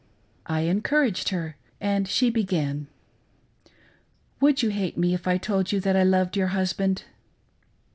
I encouraged her, and she began: "Would you hate me if I told you that I loved your husband.'"